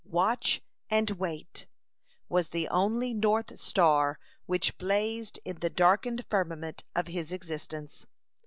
WATCH AND WAIT was the only north star which blazed in the darkened firmament of his existence.